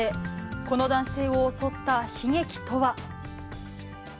この男性を襲った悲劇とは。